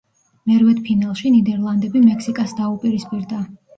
მერვედფინალში, ნიდერლანდები მექსიკას დაუპირისპირდა.